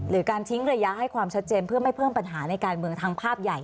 การทิ้งระยะให้ความชัดเจนเพื่อไม่เพิ่มปัญหาในการเมืองทั้งภาพใหญ่